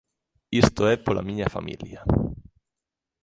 Isto é pola miña familia!